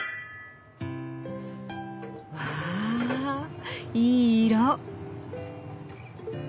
わいい色！